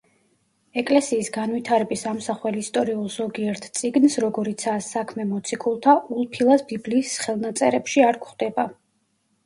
ეკლესიის განვითარების ამსახველ ისტორიულ ზოგიერთ წიგნს, როგორიცაა საქმე მოციქულთა, ულფილას ბიბლიის ხელნაწერებში არ გვხვდება.